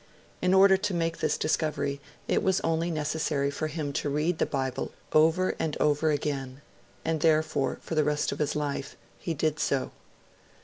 In order to make this discovery it was only necessary for him to read the Bible over and over again; and therefore, for the rest of his life, he did so.